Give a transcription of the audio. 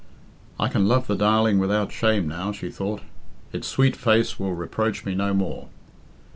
"I can love the darling without shame now," she thought. "It's sweet face will reproach me no more."